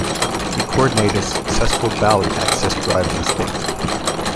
He coordinated a successful ballot access drive in the state.